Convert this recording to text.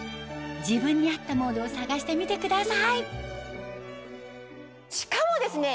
自分に合ったモードを探してみてくださいしかもですね